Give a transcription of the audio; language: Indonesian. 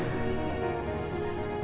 papa lebih membutuhkan aku